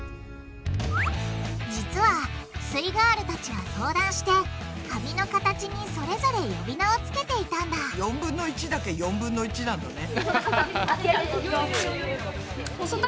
実はすイガールたちは相談して紙の形にそれぞれ呼び名を付けていたんだ４分の１だけ「４分の１」なんだね。